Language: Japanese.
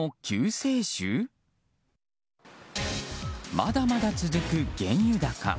まだまだ続く原油高。